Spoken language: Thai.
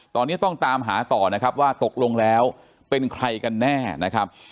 ตอนนี้ต้องตามหาต่อนะครับว่าตกลงแล้วเป็นใครกันแน่นะครับ